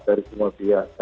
dari semua pihak